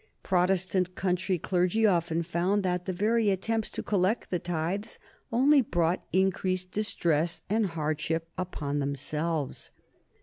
Protestant country clergy often found that the very attempts to collect the tithes only brought increased distress and hardship upon themselves.